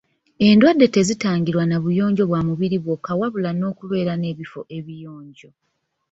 Endwadde tezitangirwa na buyonjo bwa mubiri bwokka wabula n'okubeera n'ebifo ebiyonjo.